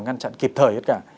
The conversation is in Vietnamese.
ngăn chặn kịp thời hết cả